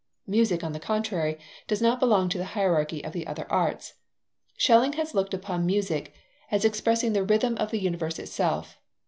Music, on the contrary, does not belong to the hierarchy of the other arts. Schelling had looked upon music as expressing the rhythm of the universe itself.